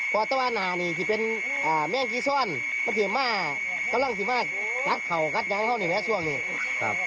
พอตะวันอ่านี่ที่เป็นแมงกาซอนมันถึงมากกำลังถึงมากกัดเขากัดอย่างนี้แม้ช่วงนี้